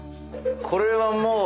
これはもう。